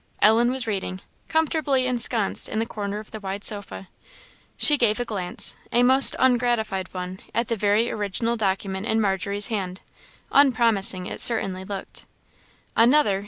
Ellen was reading, comfortably ensconced in the corner of the wide sofa. She gave a glance, a most ungratified one, at the very original document in Margery's hand. Unpromising it certainly looked. "Another!